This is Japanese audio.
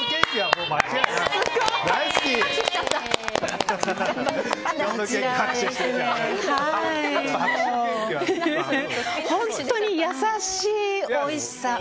もう本当に優しいおいしさ。